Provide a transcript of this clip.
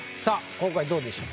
今回どうでしょう？